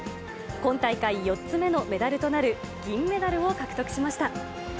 今大会４つ目のメダルとなる銀メダルを獲得しました。